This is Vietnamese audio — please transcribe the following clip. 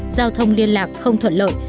giao thông liên lạc không thuận lợi